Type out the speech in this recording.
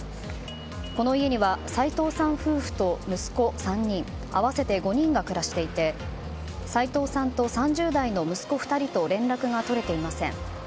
この家には斎藤さん夫婦と息子３人合わせて５人が暮らしていて齋藤さんと３０代の息子２人と連絡が取れていません。